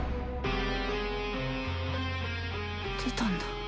てたんだ。